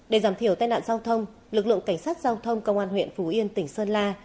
để giảm thiểu tai nạn giao thông lực lượng cảnh sát giao thông công an huyện phủ yên tỉnh sơn la